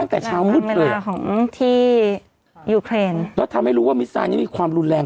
ตั้งแต่เช้ามุดเลยที่ยุเครนแล้วทำให้รู้ว่ามิซานยังมีความรุนแรง